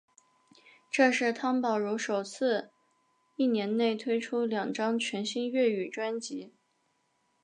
这是汤宝如首次一年内推出两张全新粤语专辑。